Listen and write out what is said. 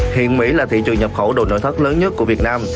hiện mỹ là thị trường nhập khẩu đồ nội thất lớn nhất của việt nam